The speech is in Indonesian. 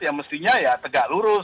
yang mestinya tegak lurus